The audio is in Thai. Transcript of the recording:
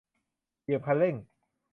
เหยียบคันเร่ง